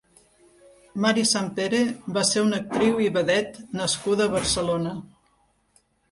Mary Santpere va ser una actriu i vedet nascuda a Barcelona.